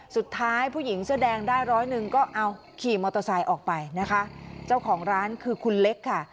สุดท้ายผู้หญิงเสื้อแดงได้ร้อยหนึ่งก็เอาขี่มอเตอร์ไซค์ออกไปนะคะเจ้าของร้านคือคุณเล็กค่ะ